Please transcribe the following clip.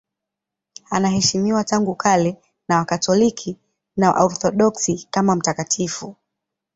Anaheshimiwa tangu kale na Wakatoliki na Waorthodoksi kama mtakatifu.